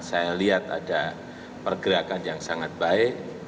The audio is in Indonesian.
saya lihat ada pergerakan yang sangat baik